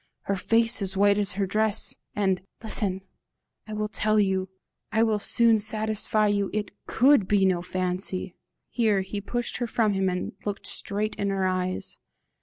her face as white as her dress! And listen! I will tell YOU I will soon satisfy you it COULD be no fancy." Here he pushed her from him and looked straight in her eyes.